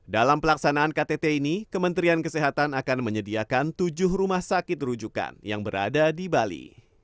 dalam pelaksanaan ktt ini kementerian kesehatan akan menyediakan tujuh rumah sakit rujukan yang berada di bali